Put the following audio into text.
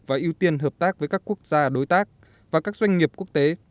và ưu tiên hợp tác với các quốc gia đối tác và các doanh nghiệp quốc tế